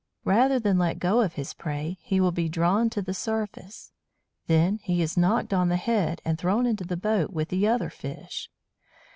Rather than let go of his prey, he will be drawn to the surface. Then he is knocked on the head, and thrown into the boat with the other fish.